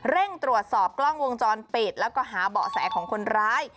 เร่งตรวจสอบกล้องวงจรปิดแล้วก็หาเบาะแสของคนร้าย